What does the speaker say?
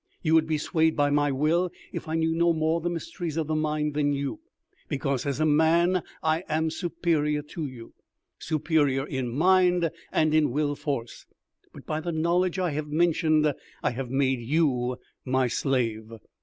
You would be swayed by my will if I knew no more the mysteries of the mind than you, because as a man I am superior to you superior in mind and in will force; but by the knowledge I have mentioned I have made you my slave."